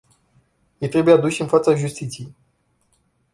Ei trebuie aduși în fața justiției.